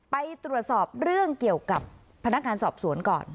ไปตรวจสอบเรื่องเกี่ยวกับพนักงานสอบสวนก่อน